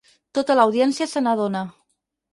Tota l'audiència se n'adona.